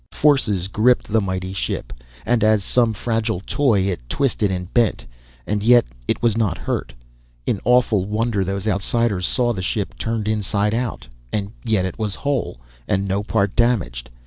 Forces gripped the mighty ship, and as some fragile toy it twisted and bent, and yet was not hurt. In awful wonder those Outsiders saw the ship turned inside out, and yet it was whole, and no part damaged.